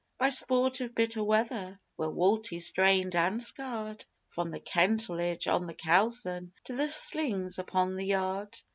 By sport of bitter weather We're walty, strained, and scarred From the kentledge on the kelson To the slings upon the yard.